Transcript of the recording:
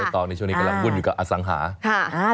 ตอนนี้ช่วงนี้กำลังบุญอยู่กับอสังหาริมทรัพย์